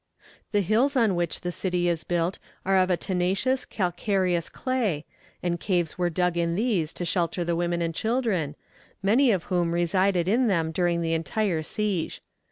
The hills on which the city is built are of a tenacious calcareous clay, and caves were dug in these to shelter the women and children, many of whom resided in them during the entire siege.